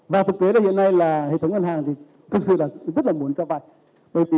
và thực tế là hiện nay là hệ thống ngân hàng thì thực sự là rất là muốn cho vay